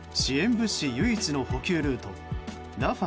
物資唯一の補給ルートラファ